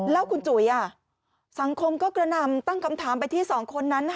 แล้วคุณจุ๋ยสังคมก็กระหน่ำตั้งคำถามไปที่สองคนนั้น